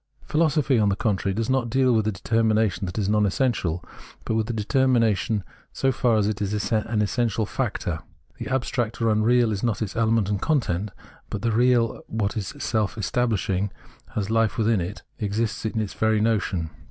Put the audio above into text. Philosophy, on the contrary, does not deal with a determination that is non essential, but with a deter mination so far as it is an essential factor. The abstract or unreal is not its element and content, but the real, what is self establishing, has life within itself, existence in its very notion.